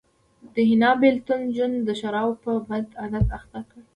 د حنا بېلتون جون د شرابو په بد عادت اخته کړ